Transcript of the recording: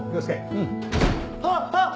うん。